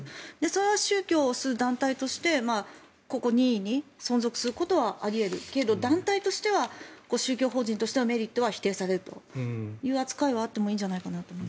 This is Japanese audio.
それは宗教をする団体としてここを任意に存続することはあり得るけど団体としては宗教法人としてはメリットは否定されるという扱いはあってもいいんじゃないかなと。